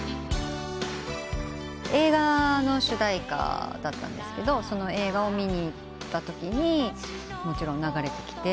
映画の主題歌だったんですけどその映画を見に行ったときにもちろん流れてきて。